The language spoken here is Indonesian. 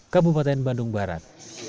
kabupaten bandung barat